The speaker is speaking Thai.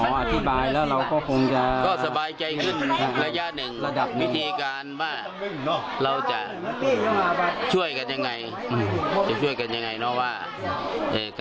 หลักติดเป็นโรคที่เราไม่รู้ว่ามันจะน๊อค